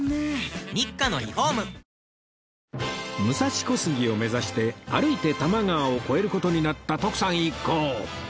武蔵小杉を目指して歩いて多摩川を越える事になった徳さん一行